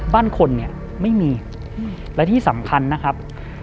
บ้านคนเนี่ยไม่มีและที่สำคัญนะครับ